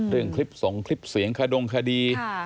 เรื่องคลิปส่งคลิปเสียงขดงคดี